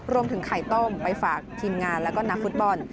รวมถึงไข่ต้มไปฝากทีมงานแล้วก็นักฟุตบอล